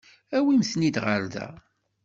Awimt-ten-id ɣer da.